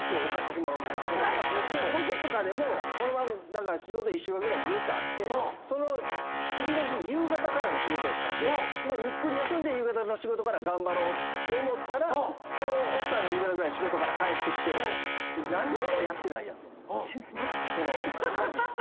僕とかでも仕事１週間ぐらいずーっとあってその次の日夕方からの仕事やったんでゆっくり休んで夕方の仕事から頑張ろうって思ったら奥さんが夕方ぐらい仕事から帰ってきて「何にもやってないやん」と。その家事。